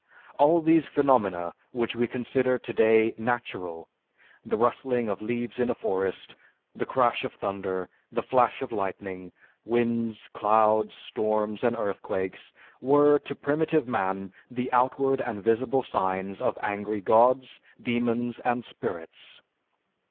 All these phenomena which we consider today natural the rustling of leaves in a forest, the crash of thunder, the flash of lightning, winds, clouds, storms, and earthquakes were to primitive man the outward and visible signs of angry gods, demons, and spirits.